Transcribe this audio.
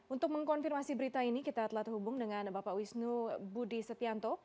untuk mengkonfirmasi berita ini kita telah terhubung dengan bapak wisnu budi setianto